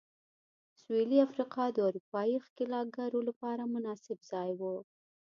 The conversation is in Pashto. سوېلي افریقا د اروپايي ښکېلاکګرو لپاره مناسب ځای و.